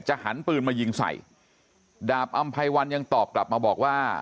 หันปืนมายิงใส่ดาบอำไพวันยังตอบกลับมาบอกว่า